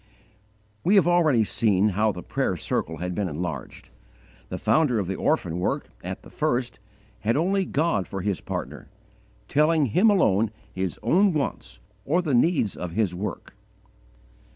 We have already seen how the prayer circle had been enlarged. The founder of the orphan work, at the first, had only God for his partner, telling Him alone his own wants or the needs of his work.